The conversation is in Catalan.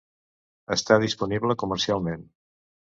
Està disponible comercialment.